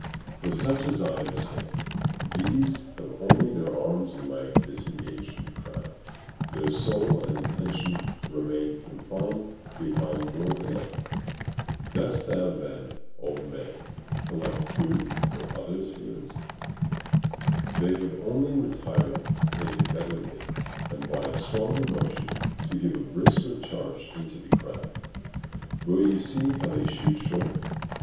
For so much as I understand, these have only their arms and legs disengaged from the crowd; their soul and intention remain confined behind more than ever: "Tun', vetule, auriculis alienis colligis escas?" ["Dost thou, then, old man, collect food for others' ears?" Persius, Sat., i. 22.] they have only retired to take a better leap, and by a stronger motion to give a brisker charge into the crowd. Will you see how they shoot short?